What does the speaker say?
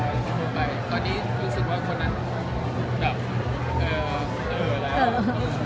แล้วก็จะโทรไปตอนนี้รู้สึกว่าคนนั้นแบบ